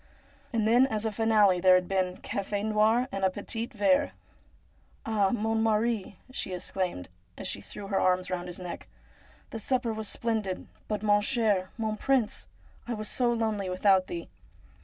And then as a finale there had been cafe noir and a petit verrc. ' Ah, mon mari !' she exclaimed, as she threw her arms round his neck, ' the supper was splendid, but mon cher, mon prince, I was so lonely without thee.'